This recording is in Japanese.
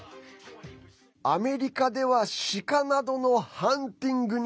アメリカでは鹿などのハンティングに